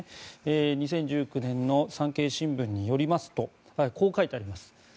２０１９年の産経新聞によりますとこう書いてあります。